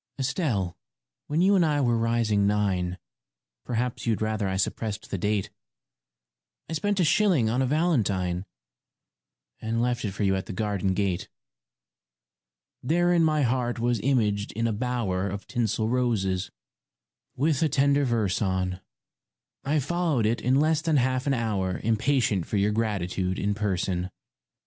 ] ESTELLE, when you and I were rising nine Perhaps you'd rather I suppressed the date I spent a shilling on a valentine And left it for you at the garden gate. Therein my heart was imaged in a bower Of tinsel roses, with a tender verse on ; I followed it in less than half an hour Impatient for your gratitude in person.